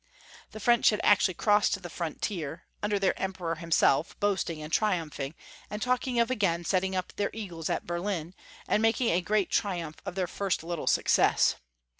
The French had actually crossed the frontier, under their Emperor himself, boasting and triumphing, and talking of again setting up their eagles at Berlm, and making a great triumph of their first little success.